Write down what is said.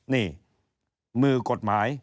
นี่มือกฎหมาย